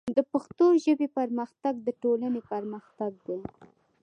د پښتو ژبې پرمختګ د ټولنې پرمختګ دی.